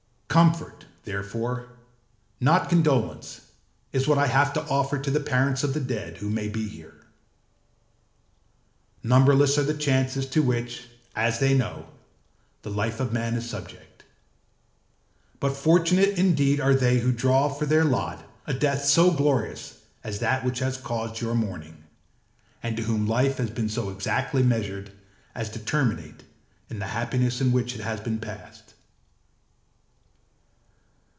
âComfort, therefore, not condolence, is what I have to offer to the parents of the dead who may be here. Numberless are the chances to which, as they know, the life of man is subject; but fortunate indeed are they who draw for their lot a death so glorious as that which has caused your mourning, and to whom life has been so exactly measured as to terminate in the happiness in which it has been passed.